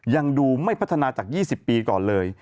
ยังดูไม่พัฒนาจาก๒๐ปีก่อนเลย